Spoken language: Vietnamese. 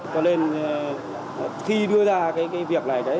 cho nên khi đưa ra cái việc này